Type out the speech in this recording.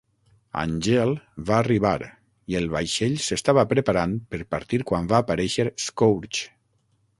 Angel va arribar i el vaixell s"estava preparant per partir quan va aparèixer Scourge.